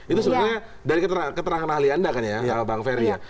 itu sebenarnya dari keterangan ahli anda kan ya